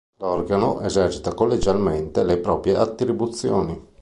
L'organo esercita collegialmente le proprie attribuzioni.